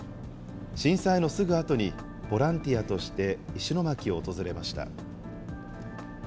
震災のすぐあとにボランティアとして石巻を訪れました。